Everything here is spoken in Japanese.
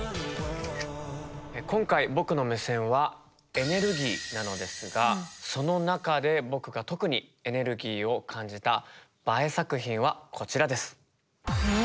今回僕の目線は「エネルギー」なのですがその中で僕が特にエネルギーを感じたＢＡＥ作品はこちらです。